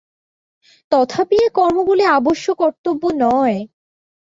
তথাপি এ কর্মগুলি অবশ্য-কর্তব্য নয়।